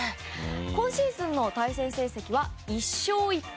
今シーズンの対戦成績は１勝１敗。